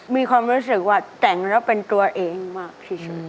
มีความรู้สึกว่าแต่งแล้วเป็นตัวเองมากที่สุด